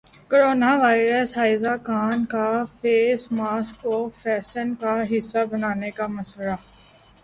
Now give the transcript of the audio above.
corona virus Ayeza Khan کا face mask کو fashion کا حصہ بنانے کا مشورہ